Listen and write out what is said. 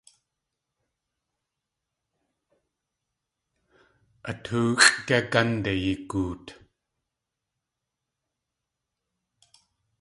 A tóoxʼ gé gánde yigoot?